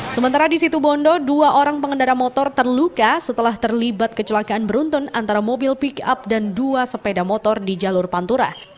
sementara di situ bondo dua orang pengendara motor terluka setelah terlibat kecelakaan beruntun antara mobil pick up dan dua sepeda motor di jalur pantura